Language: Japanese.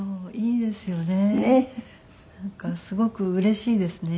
なんかすごくうれしいですね